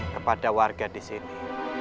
kepada warga disini